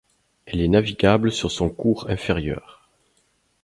Elle est navigable sur son cours inférieur.